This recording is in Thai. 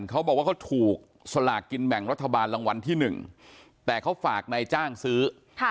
เขาบอกว่าเขาถูกสลากกินแบ่งรัฐบาลรางวัลที่๑แต่เขาฝากนายจ้างซื้อ